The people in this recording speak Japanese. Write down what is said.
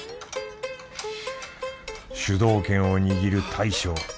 主導権を握る大将。